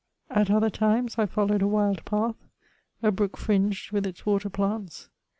At other times, I followed a wild path, a brook firinged with its water plants.